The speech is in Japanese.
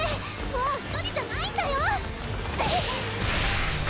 もう１人じゃないんだよ